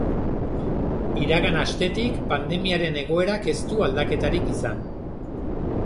Iragan astetik pandemiaren egoerak ez du aldaketarik izan.